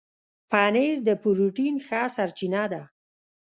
پنېر د پروټين ښه سرچینه ده.